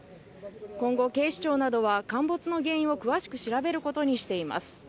今後、警視庁などは陥没の原因を詳しく調べることにしています。